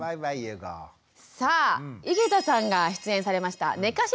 さあ井桁さんが出演されました「寝かしつけと夜泣き」。